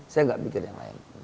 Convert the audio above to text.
saya gak pikir yang lain